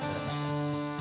dia sekarang sudah sakit